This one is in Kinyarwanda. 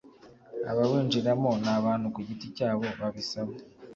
abawinjiramo ni abantu ku giti cyabo babisaba